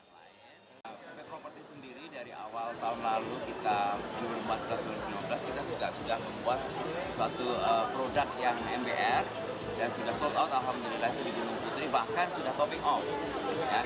produk yang mbr dan sudah sold out alhamdulillah itu di gunung putri bahkan sudah popping off